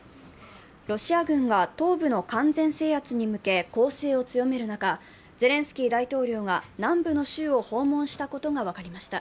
ロシア軍が東部の完全制圧に向け攻勢を強める中、ゼレンスキー大統領が南部の州を訪問したことが分かりました。